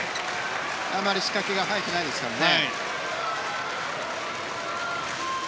あまり仕掛けが入ってないですからね。